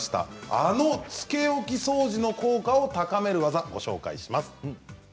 あの、つけ置き掃除の効果を高める技をご紹介します。